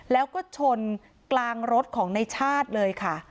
แล้วก็ชนกลางรถของในชาติเลยค่ะ